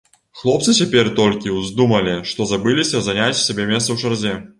Хлопцы цяпер толькі ўздумалі, што забыліся заняць сабе месца ў чарзе.